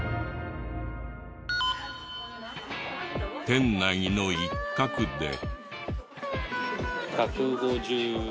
店内の一角で。